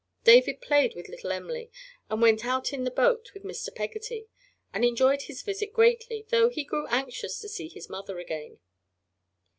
David played with little Em'ly, and went out in the boat with Mr. Peggotty, and enjoyed his visit greatly, though he grew anxious to see his mother again.